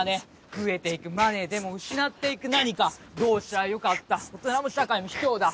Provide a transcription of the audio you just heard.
増えていくマネーでも失っていく何かどうしたら良かった大人も社会も卑怯だ